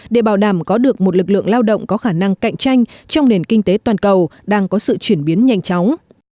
để bảo đảm có được một lực lượng lao động có khả năng cạnh tranh trong nền kinh tế toàn cầu đang có sự chuyển biến nhanh chóng